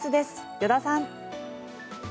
依田さん。